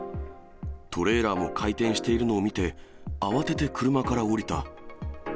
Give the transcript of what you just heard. トレーラーも回転しているのを見て、慌てて車から降りた。